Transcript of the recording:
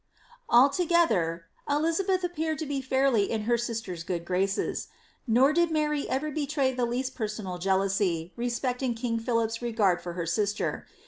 Altogether Elizabeth appeared to be fairly in her sister's good graeea; nor did Mary ever betray the least personal jealousy, respecting king Philip's regard for her sister.